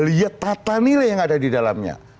lihat tata nilai yang ada di dalamnya